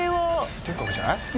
通天閣じゃない？